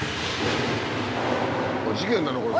事件だね